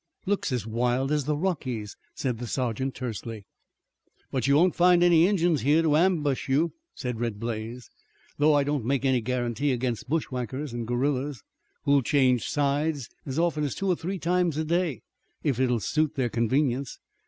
"Looks as wild as the Rockies," said the sergeant tersely. "But you won't find any Injuns here to ambush you," said Red Blaze, "though I don't make any guarantee against bushwhackers and guerillas, who'll change sides as often as two or three times a day, if it will suit their convenience.